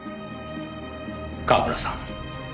川村さん